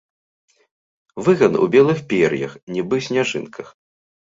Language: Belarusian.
Выган у белых пер'ях, нібы сняжынках.